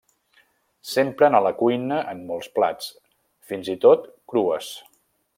S'empren a la cuina en molts plats, fins i tot crues.